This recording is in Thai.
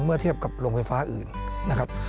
เมื่อเทียบกับโรงไฟฟ้าอื่นนะครับ